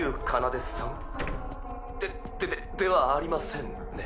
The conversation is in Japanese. でででではありませんね